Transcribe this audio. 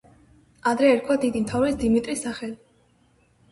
ადრე ერქვა დიდი მთავრის დიმიტრის სახელი.